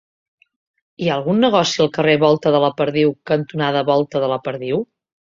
Hi ha algun negoci al carrer Volta de la Perdiu cantonada Volta de la Perdiu?